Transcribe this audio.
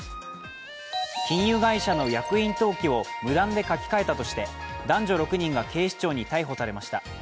金融会社の役員登記を無断で書き換えたとして男女６人が警視庁に逮捕されました